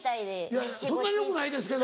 いやそんなよくないですけど。